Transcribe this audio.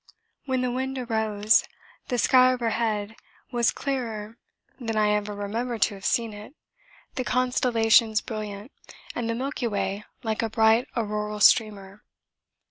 When the wind arose the sky overhead was clearer than I ever remember to have seen it, the constellations brilliant, and the Milky Way like a bright auroral streamer.